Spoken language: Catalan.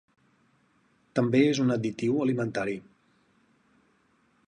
També és un additiu alimentari.